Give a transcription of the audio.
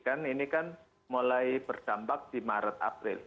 karena itu saya prediksikan ini kan mulai bertampak di maret april